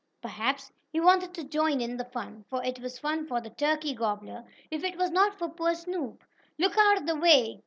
Perhaps he wanted to join in the fun, for it was fun for the turkey gobbler, if it was not for poor Snoop. "Look out the way!